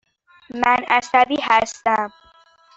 من عصبی هستم.